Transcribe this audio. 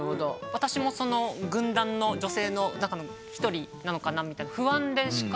私もその軍団の女性の中の一人なのかなみたいな。